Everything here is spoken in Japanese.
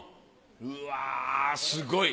うわぁすごい！